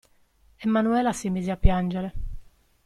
E Manuela si mise a piangere.